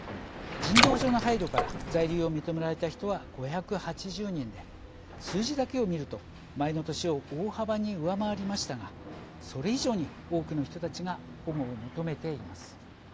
人道上の配慮から在留を認められた人は５８０人で、数字だけを見ると前の年を大幅に上回りましたがそれ以上に多くの人たちが保護を求めています。